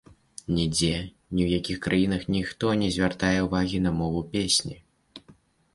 Нідзе ні ў якіх краінах ніхто не звяртае ўвагу на мову песні.